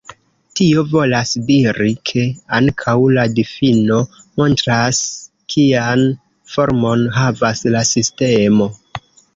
Tio volas diri, ke ankaŭ la difino montras kian formon havas la sistemo.